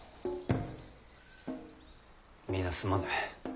皆すまぬ。